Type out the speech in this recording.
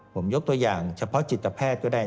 ผมยกตัวอย่างเฉพาะจิตแพทย์ก็ได้